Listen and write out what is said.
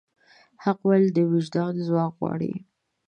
حق ویل د وجدان ځواک غواړي.